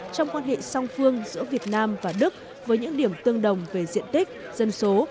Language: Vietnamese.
trong quan hệ song phương giữa việt nam và đức với những điểm tương đồng về diện tích dân số